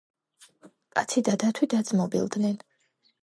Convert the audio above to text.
კაცი და დათვი დაძმობილდენ.